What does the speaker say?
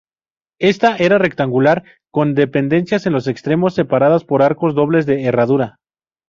Ésta era rectangular, con dependencias en los extremos separadas por arcos dobles de herradura.